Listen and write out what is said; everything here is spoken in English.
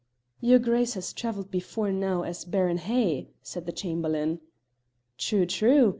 "Your Grace has travelled before now as Baron Hay," said the Chamberlain. "True! true!